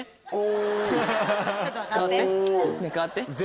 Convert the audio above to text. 代わって。